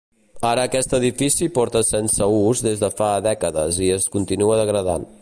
Ara aquest edifici porta sense ús des de fa dècades i es continua degradant.